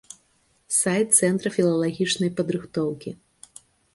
Сайт цэнтра філалагічнай падрыхтоўкі.